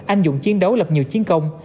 anh dụng chiến đấu lập nhiều chiến công